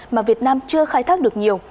mà việt nam chưa khai thác được nhiều